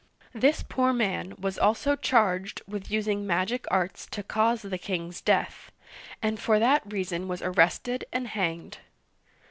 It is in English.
This poor man was also charged with using magic arts to cause the king's death, and for that reason was arrested and hanged.